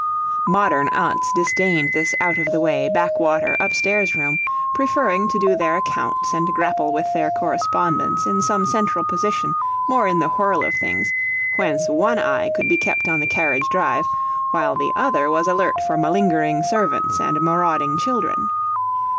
Modern aunts disdained this out of the way, back water, upstairs room, preferring to do their accounts and grapple with their correspondence in some central position more in the whirl of things, whence one eye could be kept on the carriage drive, while the other was alert for malingering servants and marauding children.